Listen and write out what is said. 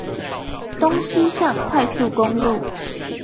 東西向快速公路